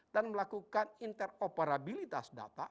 dan melakukan interoperabilitas data